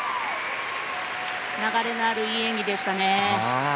流れのあるいい演技でしたね。